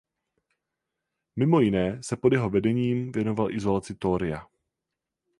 Mimo jiné se pod jeho vedením věnoval izolaci thoria.